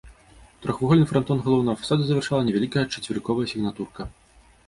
Трохвугольны франтон галоўнага фасада завяршала невялікая чацверыковая сігнатурка.